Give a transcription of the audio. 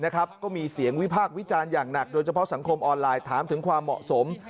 ก็มีเสียงวิพากษ์วิจารณ์อย่างหนักโดยเฉพาะสังคมออนไลน์ถามถึงความเหมาะสม